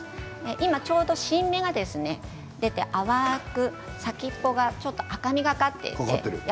今ちょうど新芽が出て淡く先っぽが赤みがかっていますね。